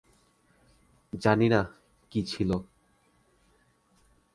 জানি না কী ছিল।